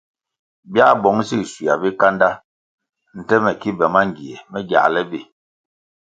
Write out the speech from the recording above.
Biā bong zig schua bikanda nte me ki be mangie me giāle bi.